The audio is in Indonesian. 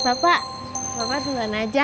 bapak bapak duluan aja